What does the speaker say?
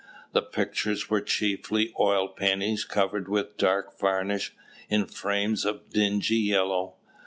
The pictures were chiefly oil paintings covered with dark varnish, in frames of dingy yellow.